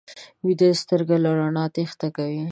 ویده سترګې له رڼا تېښته کوي